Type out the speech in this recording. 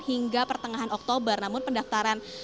hingga pertengahan oktober namun pendaftaran